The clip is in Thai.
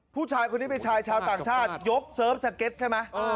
ผู้ชายคนนี้เป็นชายชาวต่างชาติยกเสิร์ฟสเก็ตใช่ไหม